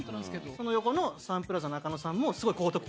その横のサンプラザ中野さんもすごい高得点つけて。